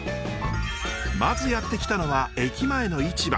まずやって来たのは駅前の市場。